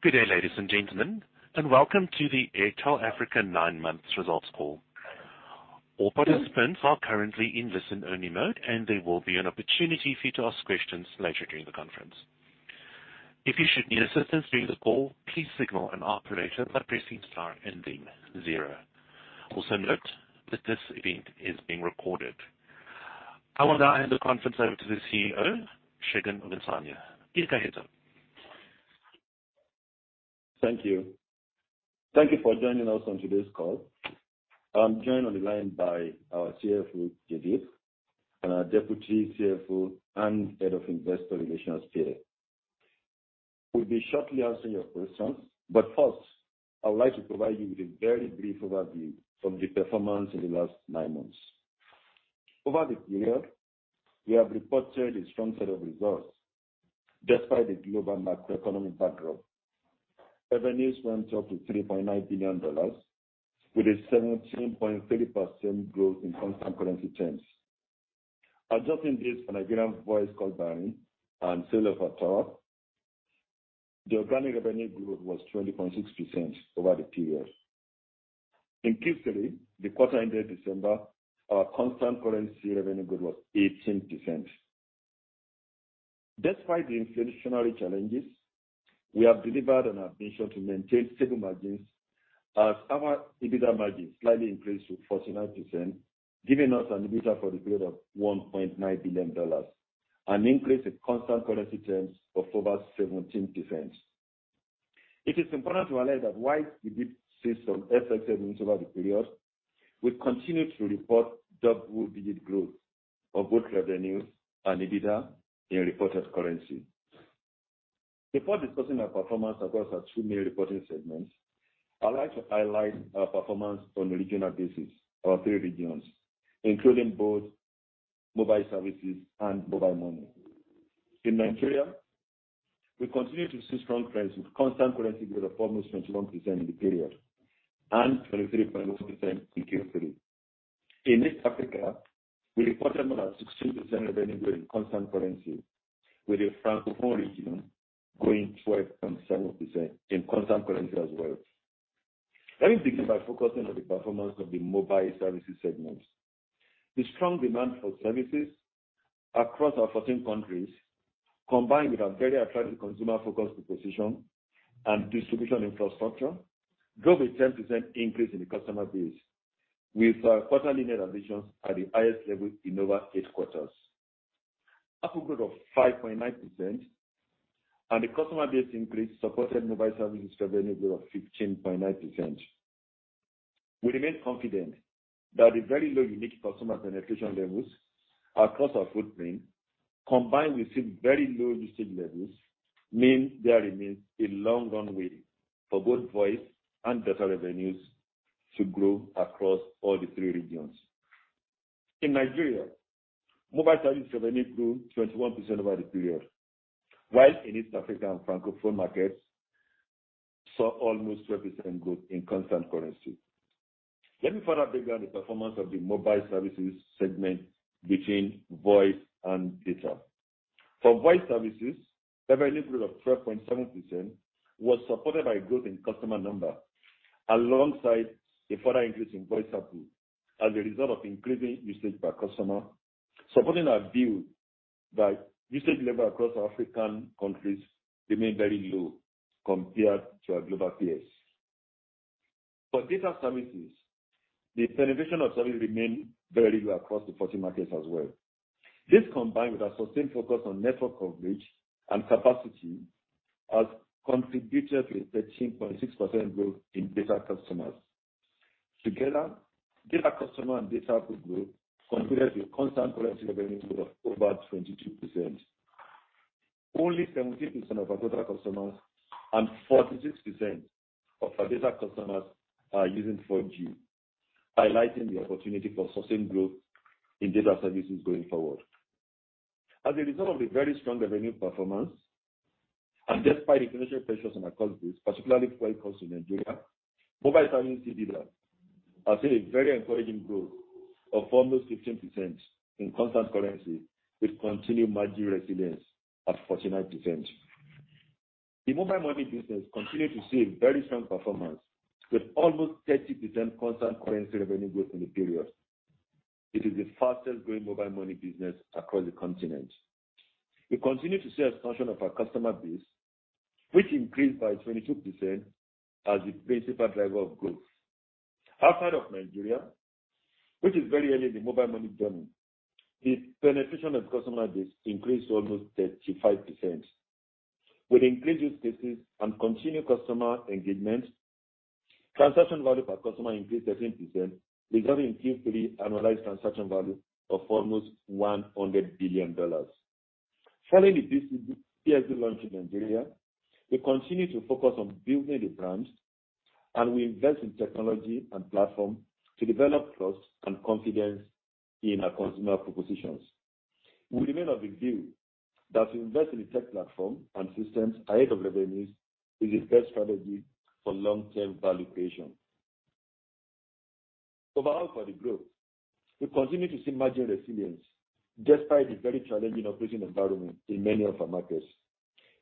Good day, ladies and gentlemen, welcome to the Airtel Africa Nine-Months Results Call. All participants are currently in listen-only mode, there will be an opportunity for you to ask questions later during the conference. If you should need assistance during the call, please signal an operator by pressing star and then zero. Also note that this event is being recorded. I will now hand the conference over to the CEO Segun Ogunsanya. Take it away, sir. Thank you. Thank you for joining us on today's call. I'm joined on the line by our CFO, Jaideep, and our Deputy CFO and Head of Investor Relations, Pier. We'll be shortly answering your questions, but first, I would like to provide you with a very brief overview of the performance in the last nine months. Over the period, we have reported a strong set of results despite the global macroeconomic backdrop. Revenues went up to $3.9 billion with a 17.3% growth in constant currency terms. Adjusting this for Nigerian voice call barring and sale of tower, the organic revenue growth was 20.6% over the period. In Q3, the quarter ended December, our constant currency revenue growth was 18%. Despite the inflationary challenges, we have delivered on our mission to maintain stable margins as our EBITDA margin slightly increased to 49%, giving us an EBITDA for the period of $1.9 billion, an increase in constant currency terms of over 17%. It is important to highlight that while we did see some FX headwinds over the period, we continued to report double-digit growth on both revenue and EBITDA in reported currency. Before discussing our performance across our two main reporting segments, I'd like to highlight our performance on regional basis, our three regions, including both mobile services and mobile money. In Nigeria, we continue to see strong trends with constant currency growth of almost 21% in the period and 23.1% in Q3. In East Africa, we reported about 16% revenue growth in constant currency, with the Francophone region growing 12.7% in constant currency as well. Let me begin by focusing on the performance of the mobile services segments. The strong demand for services across our 14 countries, combined with our very attractive consumer focused proposition and distribution infrastructure, drove a 10% increase in the customer base, with our quarter linear additions at the highest level in over 8 quarters. ARPU growth of 5.9% and the customer base increase supported mobile services revenue growth of 15.9%. We remain confident that the very low unique customer penetration levels across our footprint, combined with still very low usage levels, mean there remains a long run way for both voice and data revenues to grow across all the three regions. In Nigeria, mobile services revenue grew 21% over the period, while in East Africa and Francophone markets saw almost 12% growth in constant currency. Let me further break down the performance of the mobile services segment between voice and data. For voice services, revenue growth of 12.7% was supported by growth in customer number alongside a further increase in voice ARPU as a result of increasing usage per customer, supporting our view that usage level across our African countries remain very low compared to our global peers. For data services, the penetration of service remain very low across the 14 markets as well. This, combined with our sustained focus on network coverage and capacity, has contributed to a 13.6% growth in data customers. Together, data customer and data ARPU growth contributed to a constant currency revenue growth of over 22%. Only 17% of our total customers and 46 of our data customers are using 4G, highlighting the opportunity for sustained growth in data services going forward. As a result of the very strong revenue performance and despite inflationary pressures on our cost base, particularly fuel costs in Nigeria, mobile services EBITDA are seeing a very encouraging growth of almost 15% in constant currency with continued margin resilience of 49%. The mobile money business continued to see a very strong performance with almost 30% constant currency revenue growth in the period. It is the fastest growing mobile money business across the continent. We continue to see expansion of our customer base, which increased by 22% as the principal driver of growth. Outside of Nigeria, which is very early in the mobile money journey, the penetration of customer base increased to almost 35%. With increased usage and continued customer engagement, transaction value per customer increased 13%, resulting in Q3 annualized transaction value of almost $100 billion. Following the PSB launch in Nigeria, we continue to focus on building the brands. We invest in technology and platform to develop trust and confidence in our consumer propositions. We remain of the view that to invest in the tech platform and systems ahead of revenues is the best strategy for long-term valuation. Overall for the group, we continue to see margin resilience despite the very challenging operating environment in many of our markets.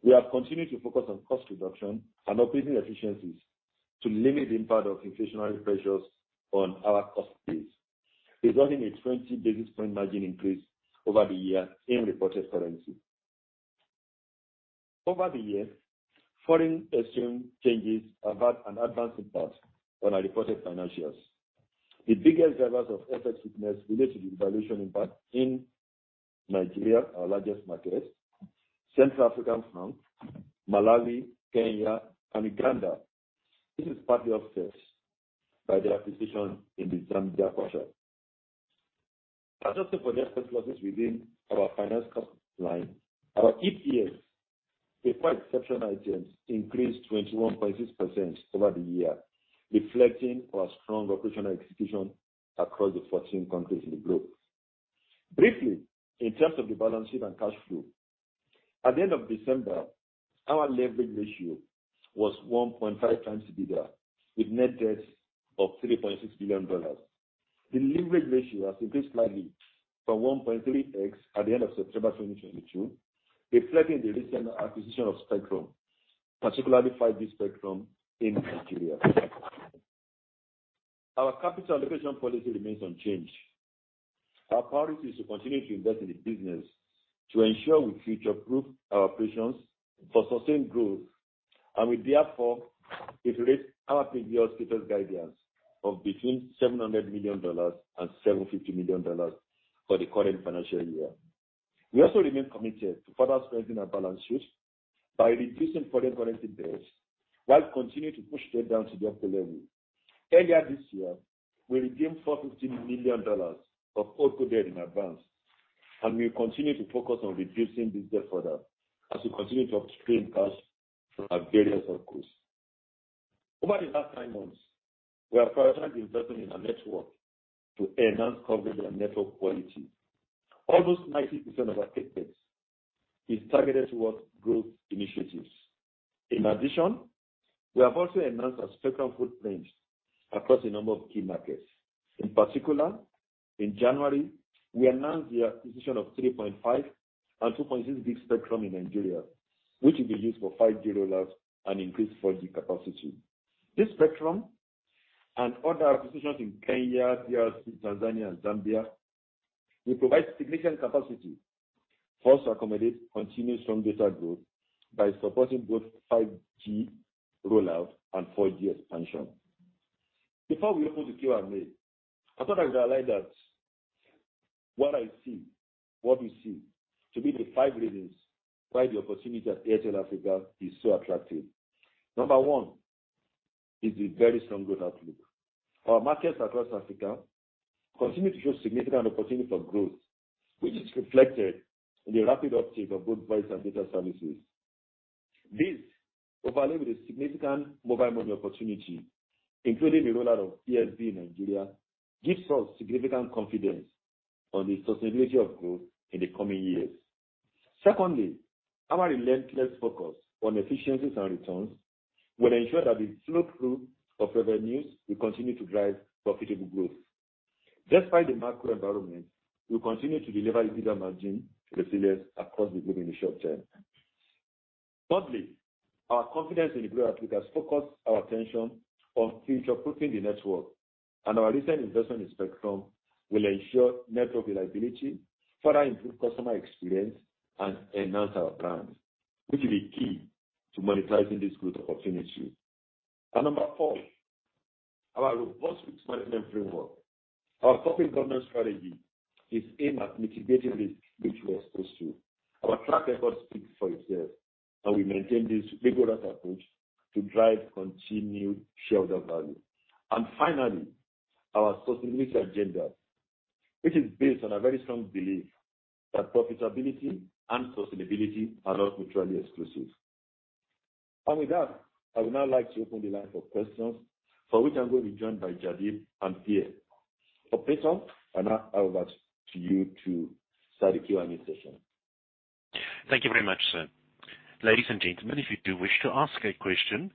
We have continued to focus on cost reduction and operating efficiencies to limit the impact of inflationary pressures on our cost base, resulting in a 20 basis point margin increase over the year in reported currency. Over the year, foreign exchange changes have had an adverse impact on our reported financials. The biggest drivers of FX weakness related to the valuation impact in Nigeria, our largest market, Central African Republic, Malawi, Kenya, and Uganda. This is partly offset by the acquisition in the Zambia quarter. Adjusted for the FX losses within our finance cost line, our EPS before exceptional items increased 21.6% over the year, reflecting our strong operational execution across the 14 countries in the group. Briefly, in terms of the balance sheet and cash flow, at the end of December, our leverage ratio was 1.5x EBITDA with net debt of $3.6 billion. The leverage ratio has increased slightly from 1.3x at the end of September 2022, reflecting the recent acquisition of spectrum, particularly 5G spectrum in Nigeria. Our capital allocation policy remains unchanged. Our priority is to continue to invest in the business to ensure we future-proof our operations for sustained growth, and we therefore reiterate our previous guidance of between $700 million and $750 million for the current financial year. We also remain committed to further strengthening our balance sheet by reducing foreign currency debts while continuing to push debt down to the optimal level. Earlier this year, we redeemed $450 million of overdue debt in advance, and we continue to focus on reducing this debt further as we continue to upstream cash from our various up-sales. Over the last nine months, we have prioritized investment in our network to enhance coverage and network quality. Almost 90% of our CapEx is targeted towards growth initiatives. We have also enhanced our spectrum footprints across a number of key markets. In January, we announced the acquisition of 3.5 GHz and 2.6 GHz spectrum in Nigeria, which will be used for 5G rollout and increased 4G capacity. This spectrum and other acquisitions in Kenya, DRC, Tanzania and Zambia will provide significant capacity for us to accommodate continued strong data growth by supporting both 5G rollout and 4G expansion. Before we open the Q&A, I thought I'd highlight what we see to be the five reasons why the opportunity at Airtel Africa is so attractive. Number one is the very strong growth outlook. Our markets across Africa continue to show significant opportunity for growth, which is reflected in the rapid uptake of both voice and data services. This, overlaying with a significant mobile money opportunity, including the rollout of PSB in Nigeria, gives us significant confidence on the sustainability of growth in the coming years. Secondly, our relentless focus on efficiencies and returns will ensure that the flow through of revenues will continue to drive profitable growth. Despite the macro environment, we'll continue to deliver EBITDA margin resilience across the group in the short term. Thirdly, our confidence in the group has focused our attention on future-proofing the network and our recent investment in spectrum will ensure network reliability, further improve customer experience and enhance our brand, which will be key to monetizing this growth opportunity. Number four, our robust risk management framework. Our corporate governance strategy is aimed at mitigating risk which we are exposed to. Our track record speaks for itself, and we maintain this rigorous approach to drive continued shareholder value. Finally, our sustainability agenda, which is based on a very strong belief that profitability and sustainability are not mutually exclusive. With that, I would now like to open the line for questions for which I'm going to be joined by Jaideep and Pier. Operator, over to you to start the Q&A session. Thank you very much, sir. Ladies and gentlemen, if you do wish to ask a question,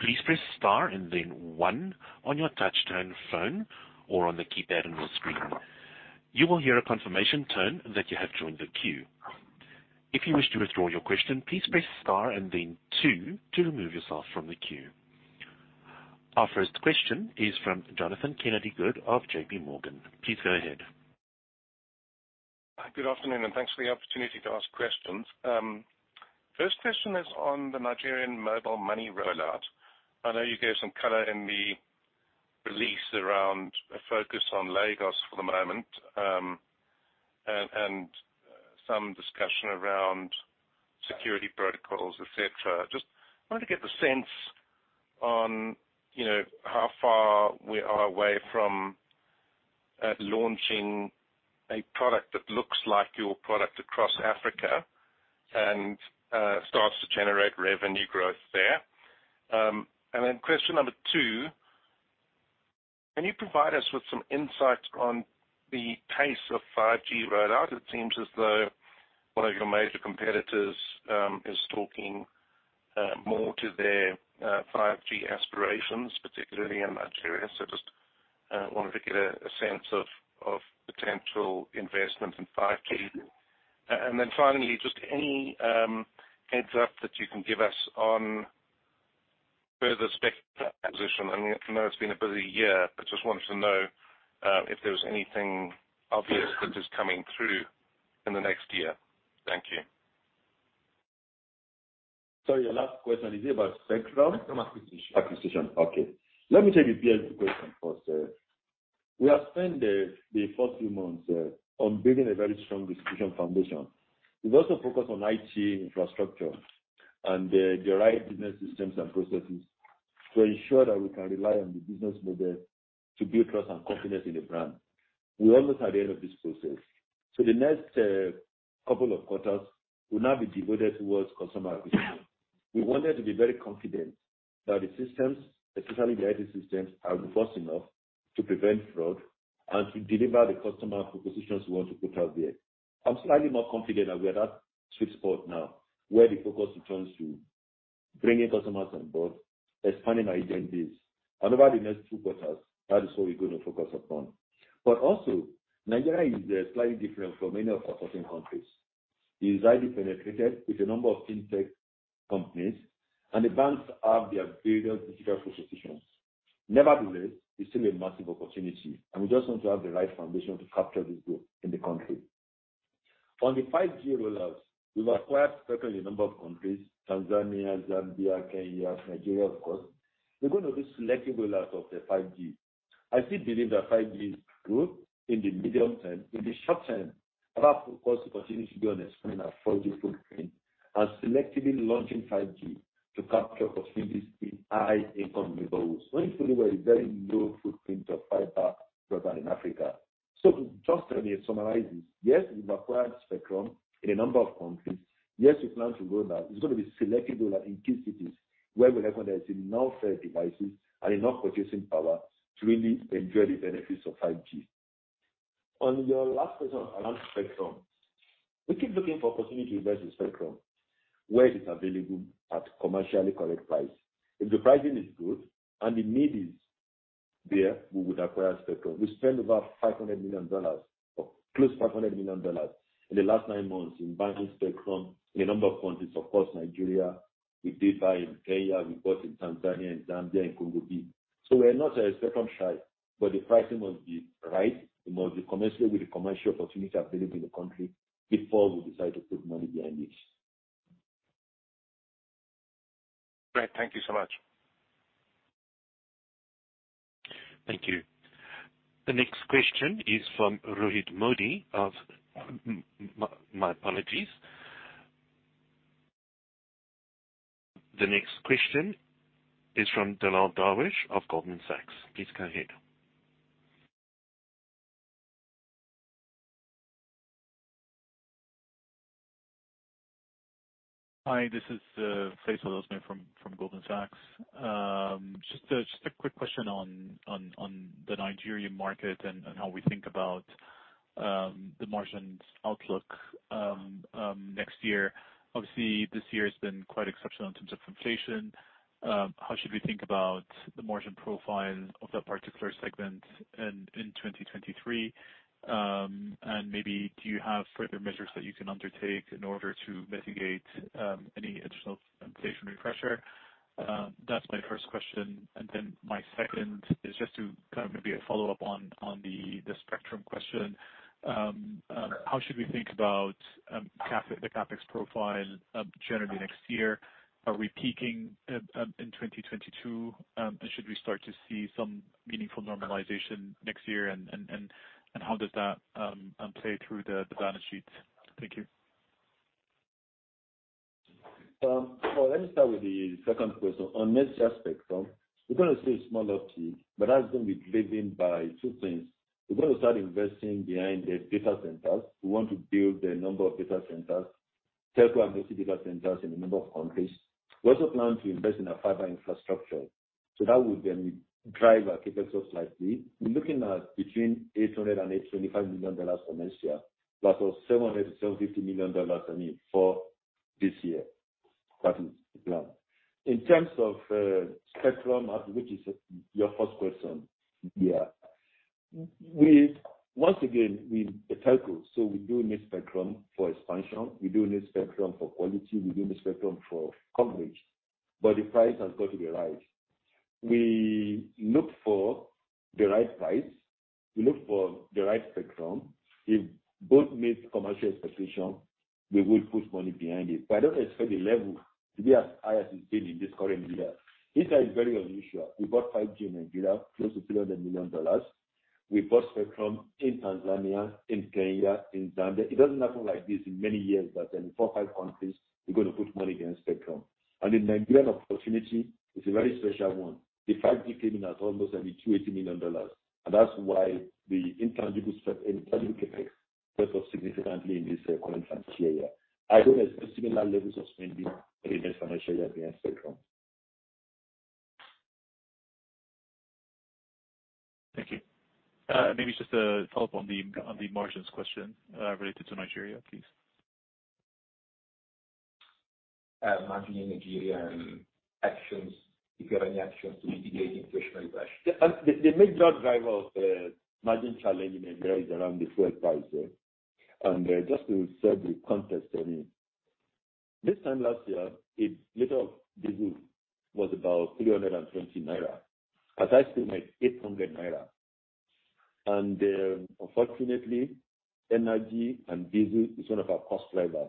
please press star and then one on your touchtone phone or on the keypad on your screen. You will hear a confirmation tone that you have joined the queue. If you wish to withdraw your question, please press star and then two to remove yourself from the queue. Our first question is from Jonathan Kennedy-Good of J.P. Morgan. Please go ahead. Good afternoon, and thanks for the opportunity to ask questions. First question is on the Nigerian mobile money rollout. I know you gave some color in the release around a focus on Lagos for the moment, and some discussion around security protocols, et cetera. Just wanted to get the sense on, you know, how far we are away from launching a product that looks like your product across Africa and starts to generate revenue growth there. Question number two, can you provide us with some insight on the pace of 5G rollout? It seems as though one of your major competitors is talking more to their 5G aspirations, particularly in Nigeria. Just wanted to get a sense of potential investment in 5G. Finally, just any heads-up that you can give us on further spectrum acquisition. I know it's been a busy year. I just wanted to know if there was anything obvious that is coming through in the next year. Thank you. Your last question, is it about spectrum? Spectrum acquisition. Acquisition. Okay. Let me take the first question first. We have spent the first few months on building a very strong distribution foundation. We've also focused on IT infrastructure and the right business systems and processes to ensure that we can rely on the business model to build trust and confidence in the brand. We're almost at the end of this process. The next couple of quarters will now be devoted towards customer acquisition. We wanted to be very confident that the systems, especially the IT systems, are robust enough to prevent fraud and to deliver the customer propositions we want to put out there. I'm slightly more confident that we're at sweet spot now, where the focus returns to bringing customers on board, expanding our identities. Over the next two quarters, that is what we're gonna focus upon. Also, Nigeria is slightly different from many of our certain countries. It is highly penetrated with a number of FinTech companies, and the banks have their various digital propositions. Nevertheless, it's still a massive opportunity, and we just want to have the right foundation to capture this group in the country. On the 5G rollouts, we've acquired spectrum in a number of countries, Tanzania, Zambia, Kenya, Nigeria, of course. We're going to do selective rollout of the 5G. I still believe that 5G is good in the medium-term. In the short-term, our focus continues to be on expanding our 4G footprint and selectively launching 5G to capture opportunities in high-income neighborhoods, especially where a very low footprint of fiber is present in Africa. Just to summarize this, yes, we've acquired spectrum in a number of countries. Yes, we plan to roll out. It's going to be selective rollout in key cities where we recognize there's enough devices and enough purchasing power to really enjoy the benefits of 5G. On your last question around spectrum, we keep looking for opportunity to invest in spectrum where it is available at commercially correct price. If the pricing is good and the need is there, we would acquire spectrum. We spent about $500 million, or close to $500 million in the last nine months in buying spectrum in a number of countries. Of course, Nigeria. We did buy in Kenya, we bought in Tanzania, in Zambia, in Congo D. We're not spectrum-shy, but the pricing must be right. It must be commensurate with the commercial opportunity available in the country before we decide to put money behind this. Great. Thank you so much. Thank you. The next question is from Rohit Modi of... My apologies. The next question is from Dalaal Darweesh of Goldman Sachs. Please go ahead. Hi, this is Faisal Al-Azmeh from Goldman Sachs. Just a quick question on the Nigerian market and how we think about the margins outlook next year. Obviously, this year has been quite exceptional in terms of inflation. How should we think about the margin profile of that particular segment in 2023? Maybe do you have further measures that you can undertake in order to mitigate any additional inflationary pressure? That's my first question. My second is just to kind of maybe a follow-up on the spectrum question. How should we think about CapEx, the CapEx profile, generally next year? Are we peaking in 2022? Should we start to see some meaningful normalization next year? How does that play through the balance sheets? Thank you. Well, let me start with the second question. On next year spectrum, we're gonna see a small uptick, but that's gonna be driven by two things. We're gonna start investing behind the data centers. We want to build a number of data centers, Telco and data centers in a number of countries. We also plan to invest in our fiber infrastructure, so that will then drive our CapEx up slightly. We're looking at between $800 million and $825 million for next year, versus $700 million-$750 million a year for this year. That is the plan. In terms of spectrum, which is your first question, Yeah. Once again, we're a Telco, so we do need spectrum for expansion, we do need spectrum for quality, we do need spectrum for coverage, but the price has got to be right. We look for the right price, we look for the right spectrum. If both meet commercial expectation, we will put money behind it. I don't expect the level to be as high as it's been in this current year. This year is very unusual. We bought 5G in Nigeria, close to $300 million. We bought spectrum in Tanzania, in Kenya, in Zambia. It doesn't happen like this in many years, but in four, five countries, we're gonna put money behind spectrum. The Nigerian opportunity is a very special one. The 5G came in at almost $280 million, and that's why the intangible CapEx went up significantly in this current financial year. I don't expect similar levels of spending in the next financial year behind spectrum. Thank you. Maybe just a follow-up on the margins question, related to Nigeria, please. Margin in Nigeria and actions, if you have any actions to mitigate inflation pressure. The major driver of margin challenge in Nigeria is around the fuel price, yeah. Just to set the context, I mean, this time last year, a liter of diesel was about 320 naira. At times it was 800 naira. Unfortunately, energy and diesel is one of our cost driver.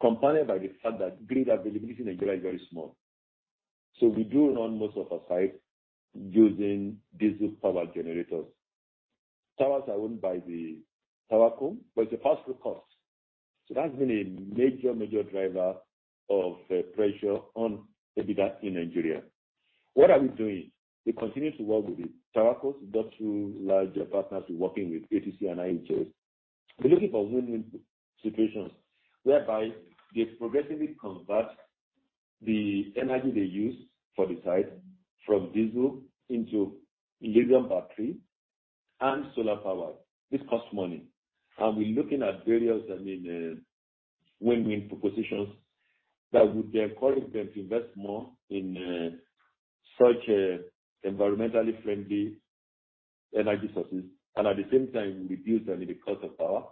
Combined by the fact that grid availability in Nigeria is very small. We do run most of our sites using diesel power generators. Towers are owned by the TowerCo, but it's a pass-through cost. That's been a major driver of pressure on EBITDA in Nigeria. What are we doing? We continue to work with the TowerCos, industrial larger partners we're working with, ATC and IHS. We're looking for win-win situations whereby they progressively convert the energy they use for the site from diesel into lithium battery and solar power. This costs money. We're looking at various, I mean, win-win propositions that would encourage them to invest more in such environmentally friendly energy sources, and at the same time reduce, I mean, the cost of power.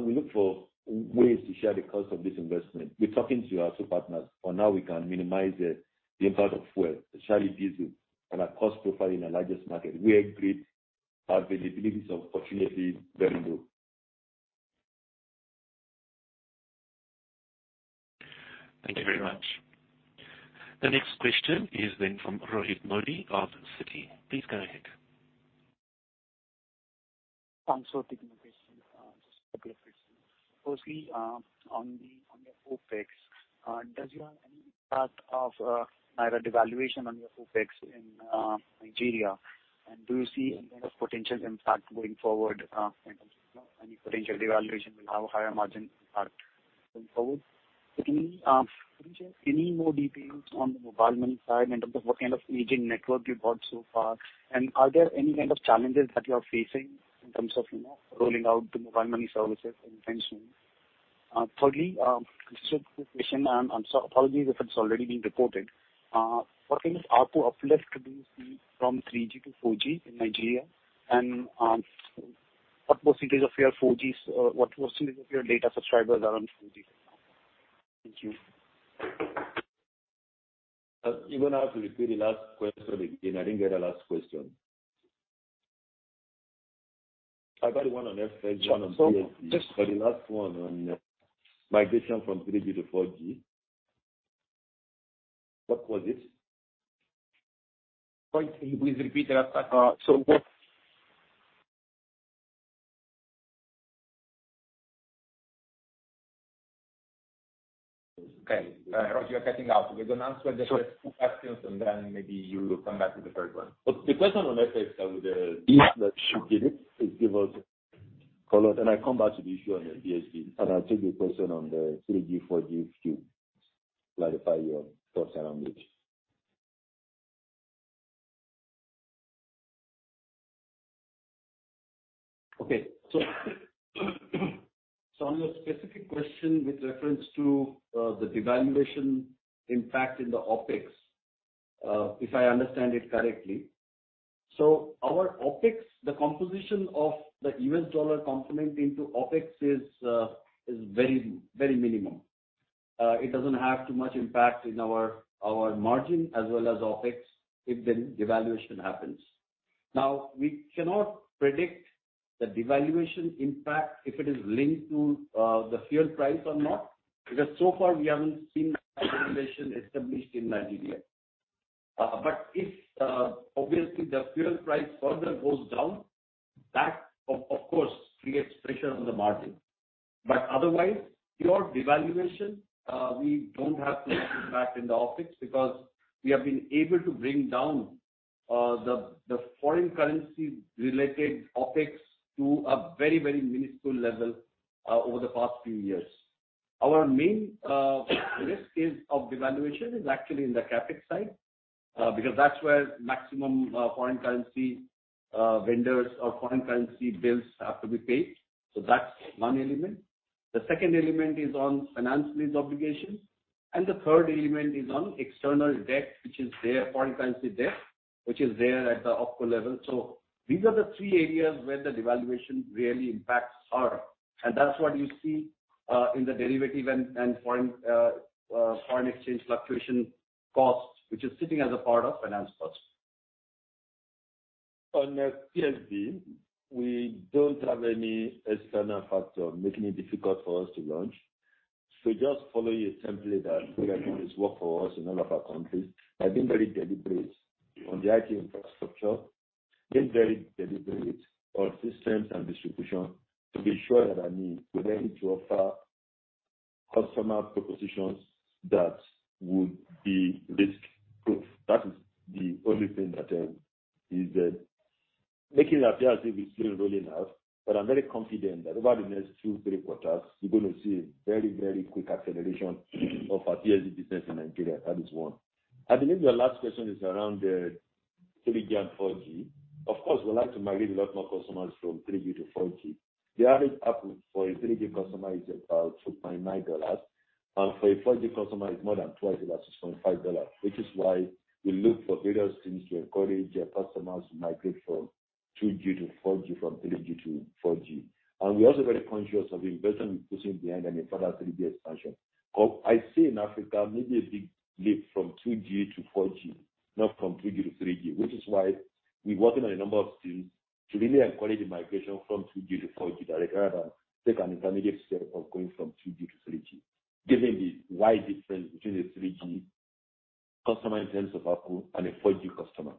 We look for ways to share the cost of this investment. We're talking to our two partners on how we can minimize the impact of fuel, especially diesel, on our cost profile in our largest market, where grid availabilities are fortunately very low. Thank you very much. The next question is then from Rohit Modi of Citi. Please go ahead. I'm sorry to interrupt you. Just a couple of questions. Firstly, on your OpEx, does you have any impact of Naira devaluation on your OpEx in Nigeria? Do you see any kind of potential impact going forward, in terms of, you know, any potential devaluation will have a higher margin impact going forward? Can you share any more details on the mobile money side and of the what kind of agent network you've got so far? Are there any kind of challenges that you are facing in terms of, you know, rolling out the mobile money services in Fintech? Thirdly, just a quick question, apologies if it's already been reported. What kind of ARPU uplift do you see from 3G to 4G in Nigeria? What percentage of your 4G, or what percentage of your data subscribers are on 4G right now? Thank you. You're gonna have to repeat the last question again. I didn't get the last question. I got the one on FX, one on PSB. The last one on, migration from 3G to 4G, what was it? Could you please repeat the last? Okay. Rohit, you're cutting out. We're gonna answer the first two questions, maybe you will come back with the third one. The question on FX, Jaideep, please give us color. I come back to the issue on the PSB, and I'll take the question on the 3G, 4G to clarify your thoughts around it. Okay. So on your specific question with reference to the devaluation impact in the OpEx, if I understand it correctly. Our OpEx, the composition of the US dollar component into OpEx is very, very minimum. It doesn't have too much impact in our margin as well as OpEx if the devaluation happens. We cannot predict the devaluation impact if it is linked to the fuel price or not, because so far we haven't seen a devaluation established in Nigeria. But if obviously the fuel price further goes down, that of course creates pressure on the margin. Otherwise, pure devaluation, we don't have too much impact in the OpEx because we have been able to bring down the foreign currency related OpEx to a very, very minuscule level over the past few years. Our main risk is of devaluation is actually in the CapEx side, because that's where maximum foreign currency vendors or foreign currency bills have to be paid. That's one element. The second element is on finance lease obligations. The third element is on external debt, which is there, foreign currency debt, which is there at the OpCo level. These are the three areas where the devaluation really impacts our. That's what you see in the derivative and foreign exchange fluctuation costs, which is sitting as a part of finance costs. On PSB, we don't have any external factor making it difficult for us to launch. We're just following a template that we have seen has worked for us in all of our countries, by being very deliberate on the IT infrastructure, being very deliberate on systems and distribution to be sure that, I mean, we're ready to offer customer propositions that would be risk-proof. That is the only thing that is making it appear as if it's been rolling out. I'm very confident that over the next two, three quarters, you're gonna see a very, very quick acceleration of our PSB business in Nigeria. That is one. I believe your last question is around the 3G and 4G. Of course, we like to migrate a lot more customers from 3G to 4G. The average ARPU for a 3G customer is about $2.9, and for a 4G customer is more than twice that, $6.5, which is why we look for various things to encourage our customers to migrate from 2G to 4G, from 3G to 4G. We're also very conscious of the investment we're putting behind any further 3G expansion. I see in Africa maybe a big leap from 2G to 4G, not from 3G to 3G, which is why we're working on a number of things to really encourage the migration from 2G to 4G directly, rather than take an intermediate step of going from 2G to 3G, given the wide difference between the 3G customer in terms of ARPU and a 4G customer.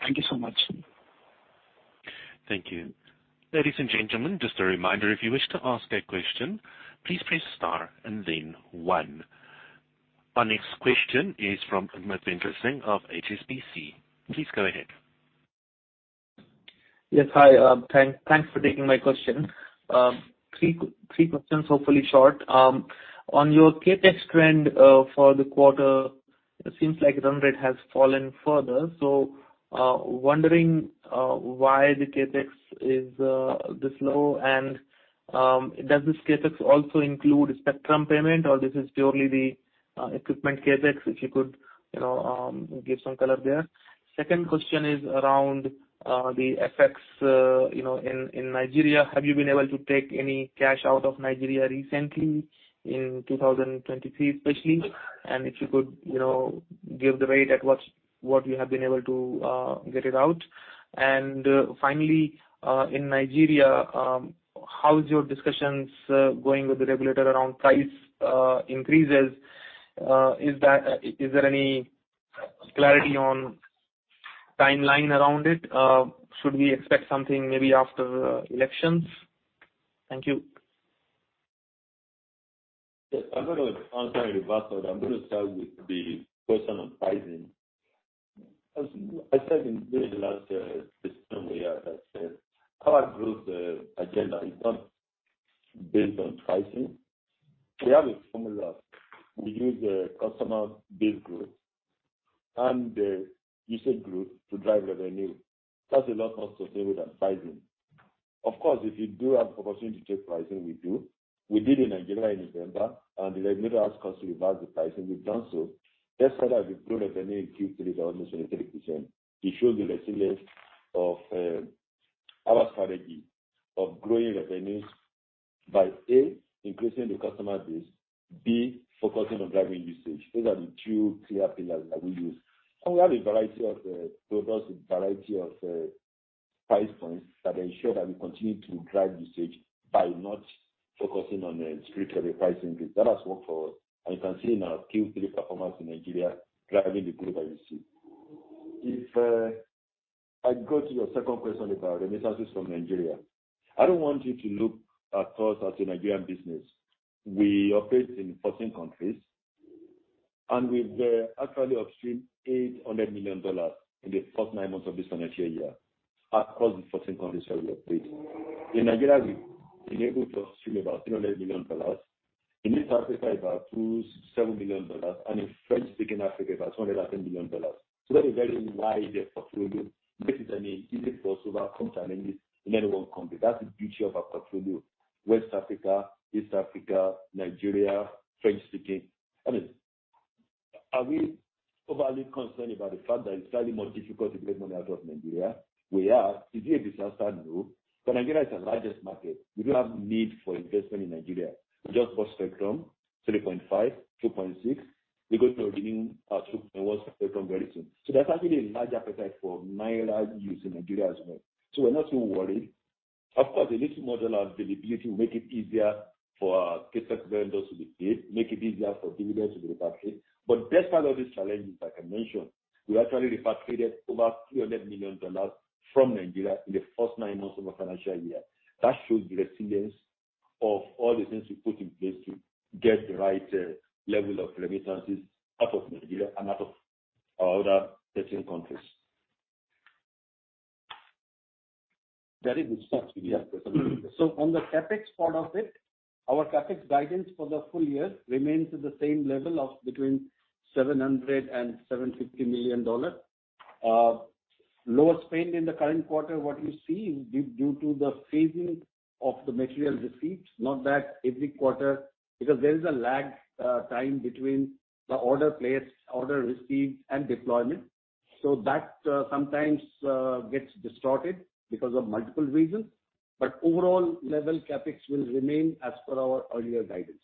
Thank you so much. Thank you. Ladies and gentlemen, just a reminder, if you wish to ask a question, please press star and then one. Our next question is from Madhvendra Singh of HSBC. Please go ahead. Yes. Hi. Thanks for taking my question. Three questions, hopefully short. On your CapEx trend for the quarter, it seems like run rate has fallen further, so wondering why the CapEx is this low and does this CapEx also include spectrum payment or this is purely the equipment CapEx? If you could, you know, give some color there. Second question is around the effects, you know, in Nigeria. Have you been able to take any cash out of Nigeria recently in 2023, especially? If you could, you know, give the rate at what you have been able to get it out. Finally, in Nigeria, how's your discussions going with the regulator around price increases? Is there any clarity on timeline around it? Should we expect something maybe after elections? Thank you. Yes. I'm gonna answer in reverse order. I'm gonna start with the question on pricing. As I said in during the last system where I said our growth agenda is not based on pricing. We have a formula. We use the customer base growth and the usage growth to drive revenue. That's a lot more sustainable than pricing. Of course, if you do have the opportunity to take pricing, we do. We did in Nigeria in November, the regulator asked us to revise the pricing. We've done so. Despite that, we grew revenue in Q3 by almost 23%. It shows the resilience of our strategy of growing revenues by, A, increasing the customer base, B, focusing on driving usage. Those are the two clear pillars that we use. We have a variety of products, a variety of price points that ensure that we continue to drive usage by not focusing on strictly the pricing piece. That has worked for us, and you can see in our Q3 performance in Nigeria driving the group that you see. If I go to your second question about remittances from Nigeria, I don't want you to look at us as a Nigerian business. We operate in 14 countries, and we've actually upstreamed $800 million in the first nine months of this financial year across the 14 countries where we operate. In Nigeria, we've been able to upstream about $300 million. In East Africa, about $27 million, and in French-speaking Africa, about $210 million. That is a very wide portfolio, which is an easy for us to overcome challenges in any one country. That's the beauty of our portfolio. West Africa, East Africa, Nigeria, French-speaking. I mean, are we overly concerned about the fact that it's slightly more difficult to get money out of Nigeria? We are. Is it a disaster? No. Nigeria is our largest market. We do have need for investment in Nigeria. We just bought spectrum, 3.5 GHz, 2.6 GHz. We're going to renew our 2.1 spectrum very soon. There's actually a large appetite for Naira use in Nigeria as well. We're not too worried. Of course, a little more availability will make it easier for our CapEx vendors to be paid, make it easier for dividends to be repatriated. Despite all these challenges, like I mentioned, we actually repatriated over $300 million from Nigeria in the first nine months of our financial year. That shows the resilience of all the things we put in place to get the right level of remittances out of Nigeria and out of our other 13 countries. That is it. Yes. On the CapEx part of it, our CapEx guidance for the full year remains at the same level of between $700 million and $750 million. Lower spend in the current quarter, what you see is due to the phasing of the material receipts, not that every quarter... Because there is a lag time between the order placed, order received, and deployment. That sometimes gets distorted because of multiple reasons. Overall level CapEx will remain as per our earlier guidance.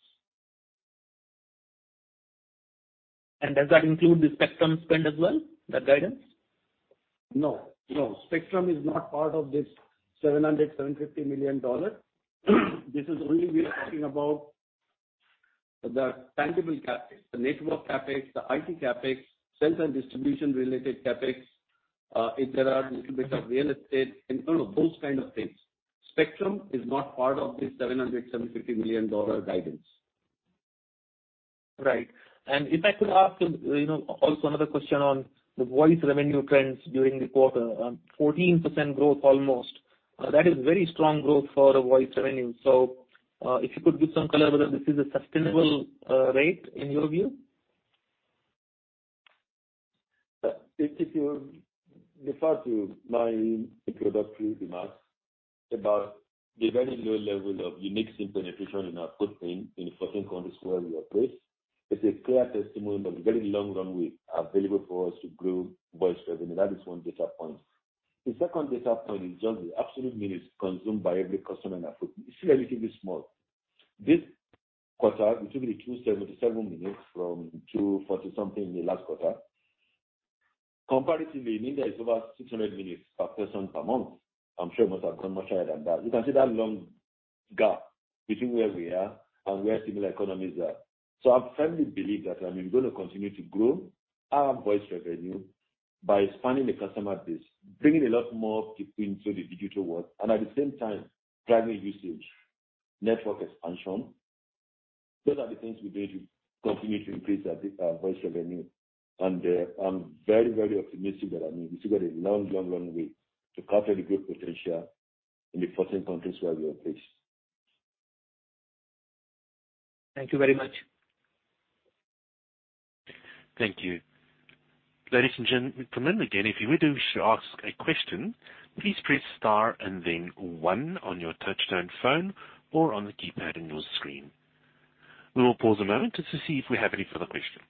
Does that include the spectrum spend as well, that guidance? No, no. Spectrum is not part of this $700 million-$750 million. This is only we are talking about the tangible CapEx, the network CapEx, the IT CapEx, sales and distribution-related CapEx. If there are little bit of real estate, you know, those kind of things. Spectrum is not part of this $700 million-$750 million guidance. Right. If I could ask, you know, also another question on the voice revenue trends during the quarter, 14% growth almost. That is very strong growth for voice revenue. If you could give some color whether this is a sustainable rate in your view? If you refer to my introductory remarks about the very low-level of unique SIM penetration in our footprint in the 14 countries where we operate, it's a clear testimony that a very long run we have available for us to grow voice revenue. That is one data point. The second data point is just the absolute minutes consumed by every customer in our footprint. It's still relatively small. This quarter it will be 277 minutes from 240 something in the last quarter. Comparatively, India is over 600 minutes per person per month. I'm sure it must have gone much higher than that. You can see that long gap between where we are and where similar economies are. I firmly believe that I'm going to continue to grow our voice revenue by expanding the customer base, bringing a lot more people into the digital world and at the same time driving usage, network expansion. Those are the things we're doing to continue to increase our voice revenue. I'm very, very optimistic that, I mean, we still got a long, long, long way to capture the growth potential in the 14 countries where we operate. Thank you very much. Thank you. Ladies and gentlemen, again, if you do wish to ask a question, please press star and then one on your touchtone phone or on the keypad in your screen. We will pause a moment just to see if we have any further questions.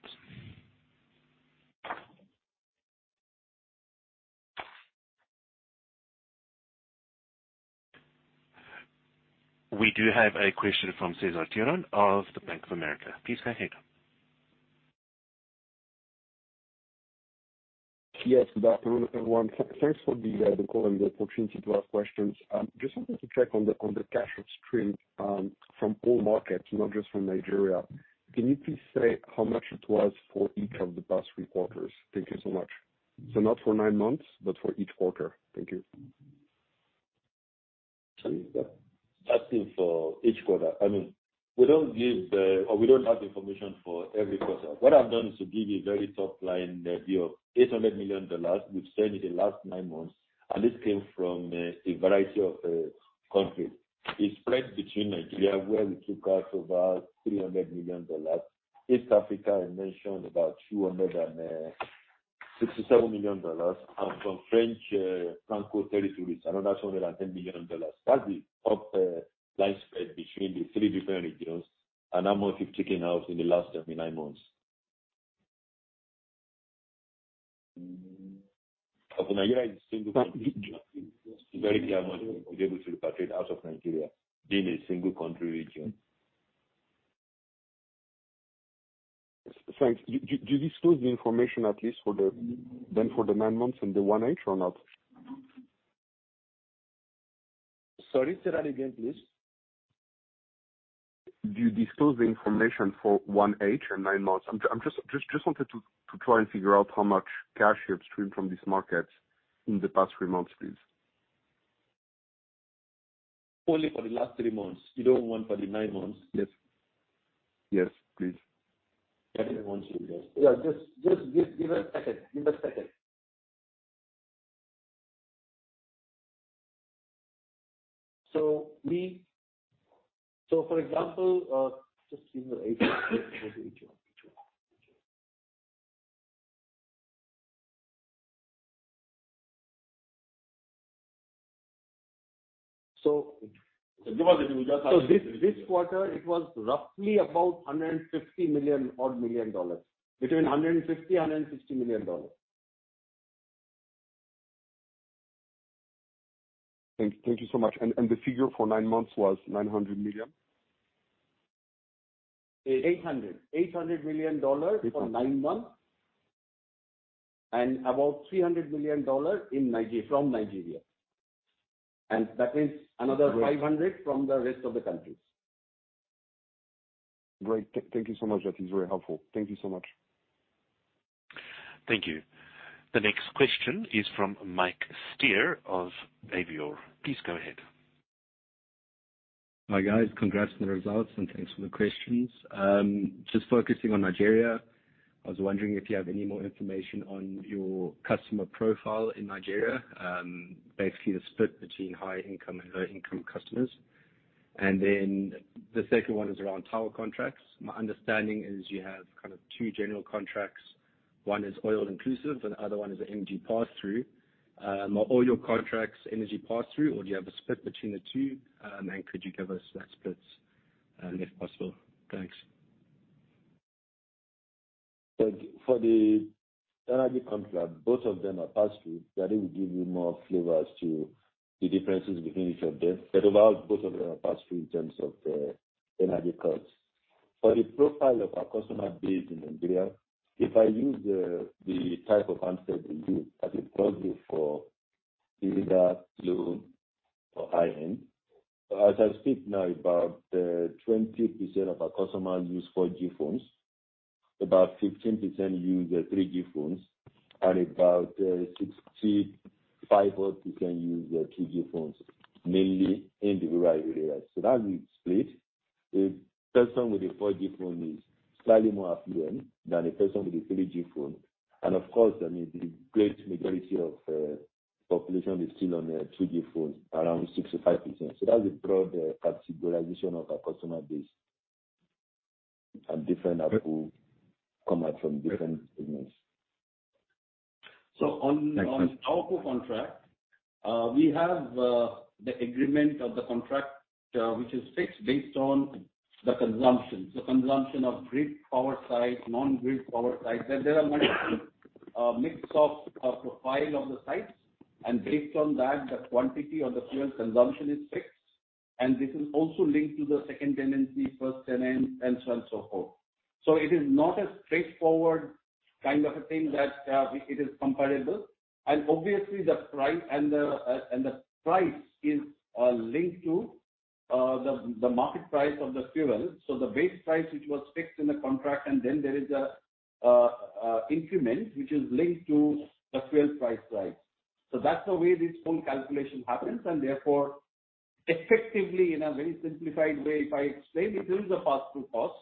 We do have a question from Cesar Tiron of Bank of America. Please go ahead. Yes, good afternoon, everyone. Thanks for the call and the opportunity to ask questions. Just wanted to check on the, on the cash stream, from all markets, not just from Nigeria. Can you please say how much it was for each of the past three quarters? Thank you so much. Not for nine months, but for each quarter. Thank you. Sorry, you're asking for each quarter. I mean, we don't have information for every quarter. What I've done is to give you a very top-line view of $800 million. We've said in the last nine months, and this came from a variety of countries. It's spread between Nigeria, where we took out about $300 million. East Africa, I mentioned about $267 million. From French, Franco territories, another $210 million. That's the top-line spread between the three different regions. I'm only kicking out in the last nine months. For Nigeria, it's single country. Very clear money we were able to repatriate out of Nigeria, being a single country region. Thanks. Do you disclose the information at least then for the nine months and the 1H or not? Sorry, say that again, please. Do you disclose the information for 1H and nine months? I'm just wanted to try and figure out how much cash you have streamed from these markets in the past three months, please. Only for the last three months. You don't want for the nine months? Yes. Yes, please. Yeah. Just give a second. Give a second. For example, this quarter it was roughly about $150 million odd million, between $150 million and $160 million. Thank you so much. The figure for nine months was $900 million? $800 million. $800 million for nine months. About $300 million from Nigeria. That means another $500 million from the rest of the countries. Great. Thank you so much. That is very helpful. Thank you so much. Thank you. The next question is from Mike Steer of Avior. Please go ahead. Hi guys. Congrats on the results and thanks for the questions. Just focusing on Nigeria, I was wondering if you have any more information on your customer profile in Nigeria, basically the split between high-income and low-income customers. The second one is around tower contracts. My understanding is you have kind of two general contracts. One is oil inclusive and the other one is energy pass-through. Are all your contracts energy pass-through or do you have a split between the two? And could you give us that split, if possible? Thanks. For the energy contract, both of them are pass-through. That will give you more flavors to the differences between each of them. About both of them are pass-through in terms of the energy costs. For the profile of our customer base in Nigeria, if I use the type of answer we use as a proxy for either low or high-end. As I speak now, about 20% of our customers use 4G phones, about 15% use 3G phones, and about 65% use 2G phones, mainly in the rural areas. That will split. A person with a 4G phone is slightly more affluent than a person with a 3G phone. Of course, I mean, the great majority of population is still on 2G phones, around 65%. That's a broad categorization of our customer base and different ARPU come out from different segments. On TowerCo contract, we have the agreement of the contract, which is fixed based on the consumption. The consumption of grid power sites, non-grid power sites. There are many mix of profile of the sites, and based on that, the quantity or the fuel consumption is fixed. This is also linked to the second tenancy, first tenant, and so on, so forth. It is not a straightforward kind of a thing that it is comparable. Obviously the price and the price is linked to the market price of the fuel. The base price, which was fixed in the contract, and then there is a increment, which is linked to the fuel price rise. That's the way this whole calculation happens and therefore effectively, in a very simplified way, if I explain, it is a pass-through cost.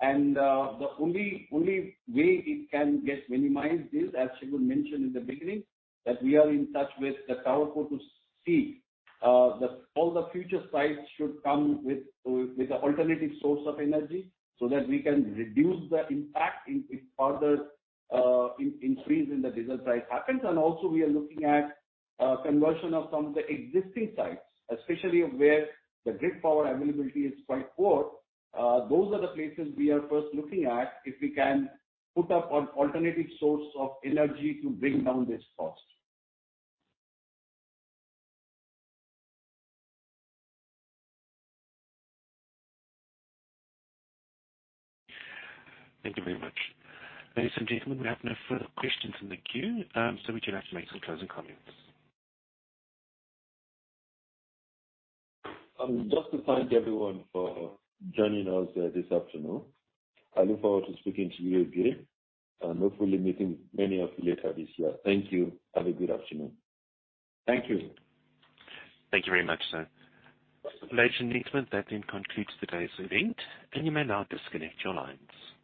The only way it can get minimized is, as Segun mentioned in the beginning, that we are in touch with the TowerCo to see that all the future sites should come with an alternative source of energy so that we can reduce the impact if further increase in the diesel price happens. Also we are looking at conversion of some of the existing sites, especially where the grid power availability is quite poor. Those are the places we are first looking at if we can put up an alternative source of energy to bring down this cost. Thank you very much. Ladies and gentlemen, we have no further questions in the queue, so would you like to make some closing comments? Just to thank everyone for joining us this afternoon. I look forward to speaking to you again and hopefully meeting many of you later this year. Thank you. Have a good afternoon. Thank you. Thank you very much, sir. Ladies and gentlemen, that then concludes today's event. You may now disconnect your lines.